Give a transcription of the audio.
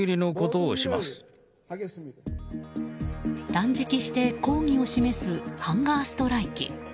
断食して抗議を示すハンガーストライキ。